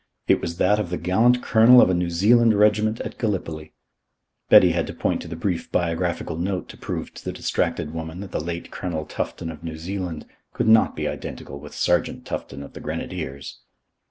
It was that of the gallant Colonel of a New Zealand Regiment at Gallipoli. Betty had to point to the brief biographical note to prove to the distracted woman that the late Colonel Tufton of New Zealand could not be identical with Sergeant Tufton of the Grenadiers.